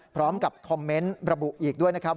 พร้อมกับคอมเมนต์ระบุอีกด้วยนะครับ